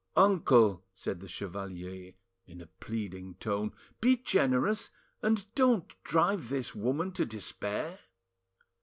"Uncle," said the chevalier in a pleading tone, "be generous, and don't drive this woman to despair."